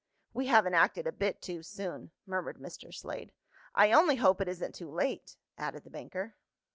"We haven't acted a bit too soon," murmured Mr. Slade. "I only hope it isn't too late," added the banker.